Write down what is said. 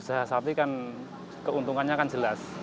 usaha sapi kan keuntungannya kan jelas